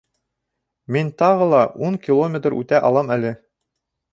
Мин тағы ла ун километр үтә алам әле